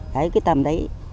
đấy cái tầm đấy